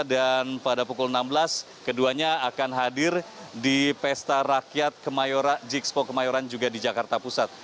dan pada pukul enam belas keduanya akan hadir di pesta rakyat jikspo kemayoran juga di jakarta pusat